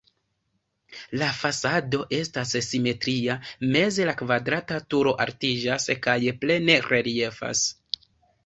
La fasado estas simetria, meze la kvadrata turo altiĝas kaj plene reliefas.